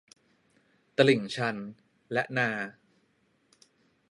ตลิ่งชัน และนา